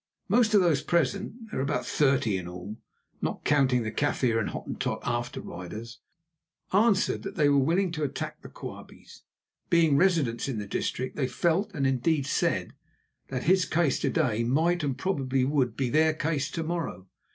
Most of those present—they were about thirty in all, not counting the Kaffir and Hottentot after riders—answered that they were willing to attack the Quabies. Being residents in the district, they felt, and, indeed, said, that his case to day might and probably would be their case to morrow.